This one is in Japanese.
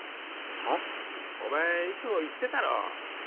はぁ？お前いつも言ってたろ。